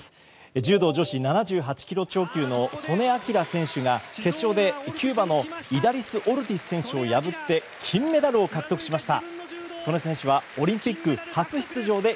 柔道女子７８ｋｇ超級の素根輝選手が決勝でキューバのイダリス・オルティス選手を破って金メダルを獲得しました。